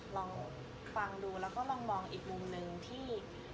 ลองฟังดูแล้วก็ลองมองอีกมุมหนึ่งที่